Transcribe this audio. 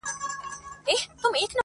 پیدا کړی چي خدای تاج او سلطنت دی!.